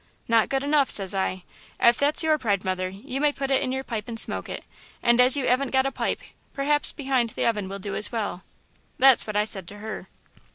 'Not good enough,' says I. 'If that's your pride, mother, you may put it in your pipe and smoke it, and as you 'aven't got a pipe, perhaps behind the oven will do as well,' that's what I said to her.